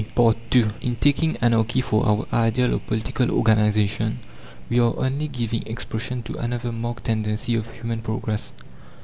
II In taking "Anarchy" for our ideal of political organization we are only giving expression to another marked tendency of human progress.